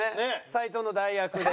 斉藤の代役で。